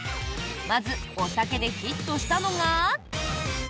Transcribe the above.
まず、お酒でヒットしたのが。